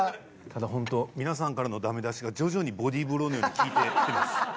ただホント皆さんからのダメ出しが徐々にボディーブローのように効いてきてます。